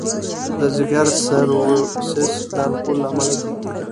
د ځګر سیروسس د الکولو له امله کېږي.